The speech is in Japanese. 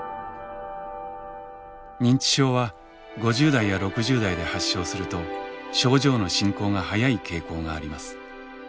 認知症は５０代や６０代で発症すると症状の進行が早い傾向があります。